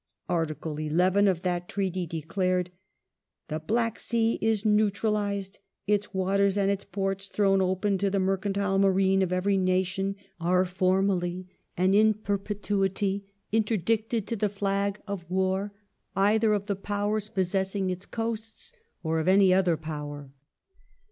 Article XI. of that Treaty declared :*' The Black Sea is neutralized ; its waters and its ports thrown open to the mercantile marine of every nation are formally and in perpetuity interdicted to the flag of war, either of the Powers possessing its coasts or of any other Power